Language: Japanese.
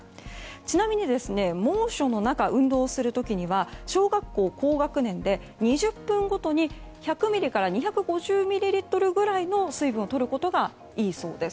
ちなみに、猛暑の中運動する時には小学校高学年で２０分ごとに１００ｍｌから２５０ｍｌぐらいの水分をとることがいいそうです。